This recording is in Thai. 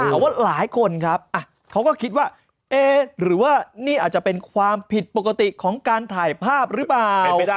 แต่ว่าหลายคนครับเขาก็คิดว่าเอ๊ะหรือว่านี่อาจจะเป็นความผิดปกติของการถ่ายภาพหรือเปล่า